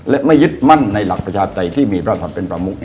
และไม่ยึดมั่นในหลักประชาปไตรที่มีประวัติภาพเป็นประมุข